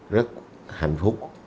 rất hạnh phúc